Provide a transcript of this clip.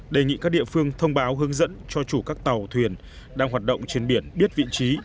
đề nghị các địa phương thông báo hướng dẫn cho chủ các tàu thuyền đang hoạt động trên biển biết vị trí